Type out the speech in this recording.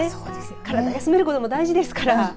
体を休めることも大事ですから。